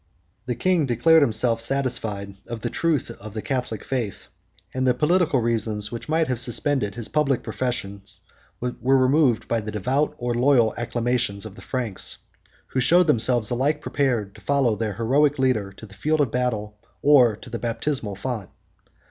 The king declared himself satisfied of the truth of the Catholic faith; and the political reasons which might have suspended his public profession, were removed by the devout or loyal acclamations of the Franks, who showed themselves alike prepared to follow their heroic leader to the field of battle, or to the baptismal font.